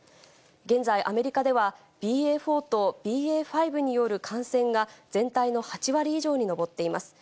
現在、アメリカではＢＡ．４とＢＡ．５による感染が、全体の８割以上に上っています。